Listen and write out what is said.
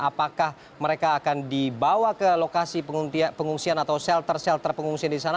apakah mereka akan dibawa ke lokasi pengungsian atau shelter shelter pengungsian di sana